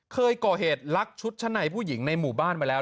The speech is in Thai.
เคยก่อเหตุลักชุดชั้นในผู้หญิงในหมู่บ้านมาแล้ว